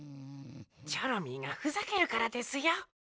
チョロミーがふざけるからですよ。